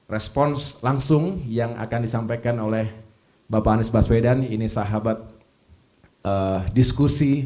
keuntungan yang lebih baik